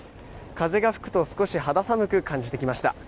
風が吹くと少し肌寒く感じてきました。